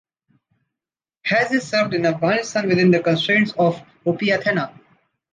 He has served in Afghanistan within the constrains of Op Athena.